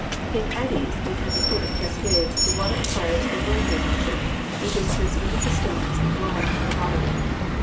In eddies and at the foot of cascades the water acquires a rotary motion, which is transmitted to stones lying on the bottom.